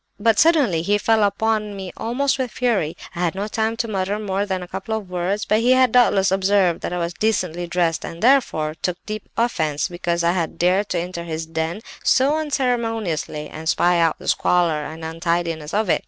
But suddenly he fell upon me almost with fury; I had had no time to mutter more than a couple of words; but he had doubtless observed that I was decently dressed and, therefore, took deep offence because I had dared enter his den so unceremoniously, and spy out the squalor and untidiness of it.